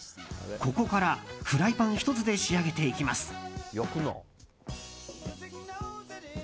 ここから、フライパン１つで仕上げていきます。